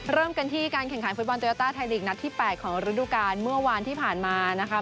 เริ่มกันที่การแข่งขันฟุตบอลโยต้าไทยลีกนัดที่๘ของฤดูกาลเมื่อวานที่ผ่านมานะคะ